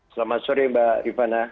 selamat sore mbak ivana